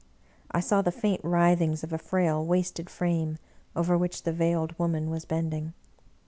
I saw the faint writhings of a frail, wasted frame, over which the Veiled Woman was bending.